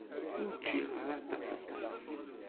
Ur ččiɣ ara aṭas aṭas.